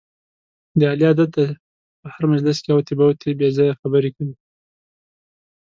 د علي عادت دی، په هر مجلس کې اوتې بوتې بې ځایه خبرې کوي.